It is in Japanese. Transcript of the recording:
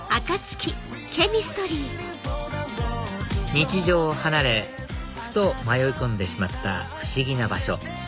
日常を離れふと迷い込んでしまった不思議な場所